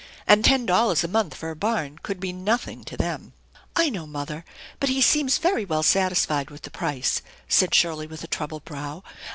And ten dollars A month for a barn could be nothing to them." " I know, mother, but he seems very well satisfied with tha price," said Shirley with a troubled brow.